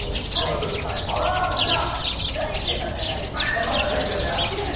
乱一世さんじゃないです。